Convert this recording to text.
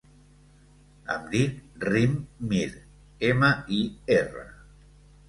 Em dic Rim Mir: ema, i, erra.